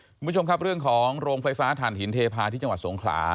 คุณผู้ชมครับเรื่องของโรงไฟฟ้าฐานหินเทพาะที่จังหวัดสงขลา